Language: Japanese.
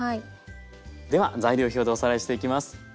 では材料表でおさらいしていきます。